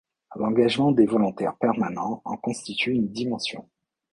L'engagement des volontaires permanents en constitue une dimension.